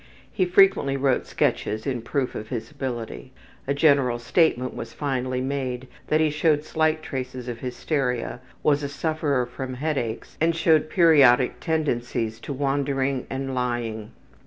He frequently wrote sketches in proof of his ability. A general statement was finally made that he showed slight traces of hysteria, was a sufferer from headaches, and showed periodic tendencies to wandering and lying.